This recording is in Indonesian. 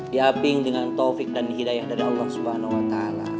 diaping dengan taufik dan hidayah dari allah swt